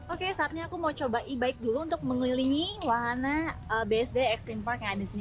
oke saatnya aku mau coba e bike dulu untuk mengelilingi wahana bsd extreme park yang ada di sini